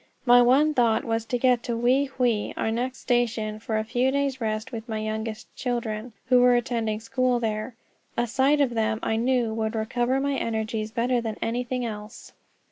My one thought was to get to Wei Hwei, our next station, for a few days' rest with my youngest children, who were attending school there. A sight of them, I knew, would recover my energies better than anything else.